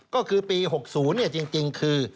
ก็คือปี๖๐จริงคือ